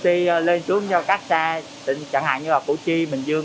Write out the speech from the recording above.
chẳng hạn như là củ chi bình dương các quận chín quận bảy